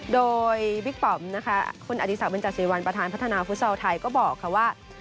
โดยบิ๊กปอบนะครับคุณอลิสักวินจัดศีลวันประธานพัฒนาฟู้ท์ซอลไทยก็บอกค่ะว่า